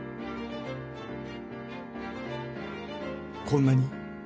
こんなに？